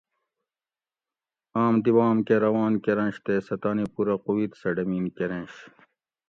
آم دی بام کہ روان کۤرنش تے سہ تانی پورہ قوت سہ ڈمین کۤرینش